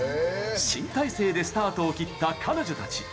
新体制でスタートを切った彼女たち。